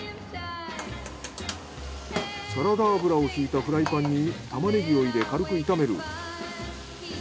サラダ油をひいたフライパンにタマネギを入れ軽く炒める。